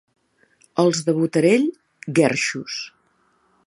Els de Botarell, guerxos.